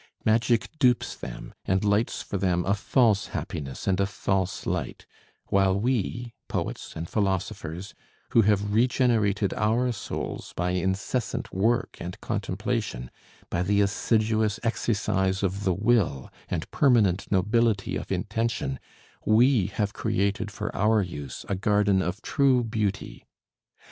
Magic dupes them, and lights for them a false happiness and a false light; while we, poets and philosophers, who have regenerated our souls by incessant work and contemplation, by the assiduous exercise of the will and permanent nobility of intention, we have created for our use a garden of true beauty.